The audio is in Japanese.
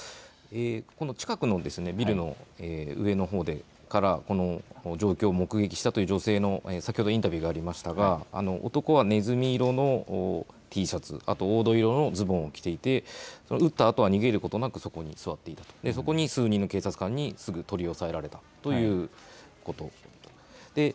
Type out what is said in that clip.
この近くのビルの上のほうからこの状況を目撃したという女性のインタビューがありましたが男はねずみ色のＴシャツ、黄土色のズボンを着ていて撃ったあとは逃げることなくそこに座っていたと、そこで数人の警察官に取り押さえられたということです。